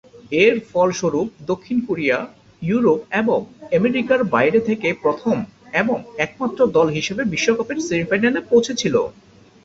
এর ফলস্বরূপ দক্ষিণ কোরিয়া ইউরোপ এবং আমেরিকার বাইরে থেকে প্রথম এবং একমাত্র দল হিসেবে বিশ্বকাপের সেমিফাইনালে পৌঁছেছিল।